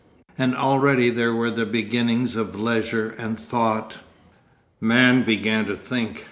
And already there were the beginnings of leisure and thought. Man began to think.